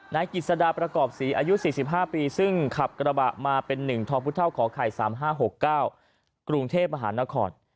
นายกิจสดาประกอบสีอายุ๔๕ปีซึ่งขับกระบะมาเป็น๑ทองพุท่าของข่าวไข่๓๕๖๙กรุงเทพธ์อาหารนคร